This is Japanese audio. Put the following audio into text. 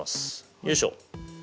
よいしょ。